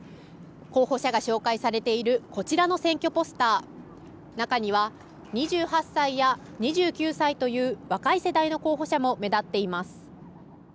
候補者が紹介されているこちらの選挙ポスター、中には２８歳や２９歳という若い世代の候補者も目立っています。